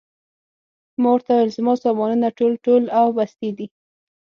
ما ورته وویل: زما سامانونه ټول، ټول او بستې دي.